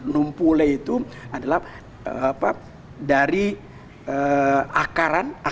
numpule itu adalah dari akaran